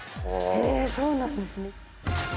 へえそうなんですね。